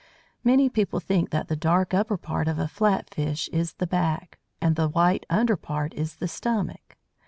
Many people think that the dark upper part of a flat fish is the back, and the white under part is the stomach.